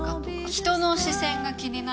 ひとの視線が気になる。